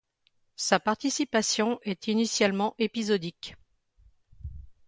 Sa participation est initialement épisodique.